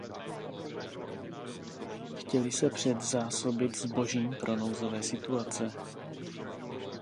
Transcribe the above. Chtěli se předzásobit zbožím pro nouzové situace.